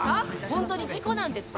ホントに事故なんですか？